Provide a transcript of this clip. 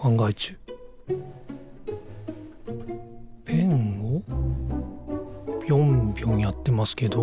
ペンをぴょんぴょんやってますけど。